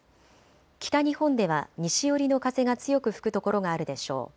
北日本では西寄りの風が強く吹く所があるでしょう。